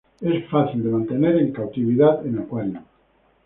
Es fácil de mantener en cautividad en acuario.